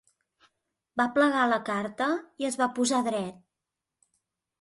Va plegar la carta i es va posar dret.